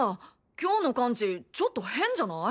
今日のカンチちょっと変じゃない？